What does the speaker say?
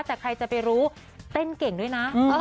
แต่ใครจะไปรู้เต้นเก่งด้วยนะ